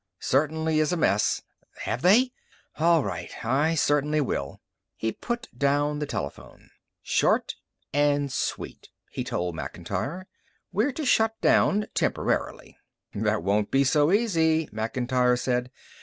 Certainly is a mess ... Have they? All right, I certainly will." He put down the telephone. "Short and sweet," he told Macintyre. "We're to shut down temporarily." "That won't be so easy," Macintyre said.